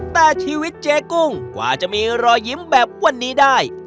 แต่ชีวิตเจ๊กุ้งกว่าจะมีรอยยิ้มแบบวันนี้ได้